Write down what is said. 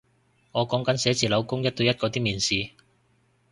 我講緊寫字樓工一對一嗰啲面試